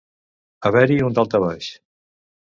Haver-hi un daltabaix.